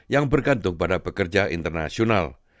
yang bergantung pada pekerja internasional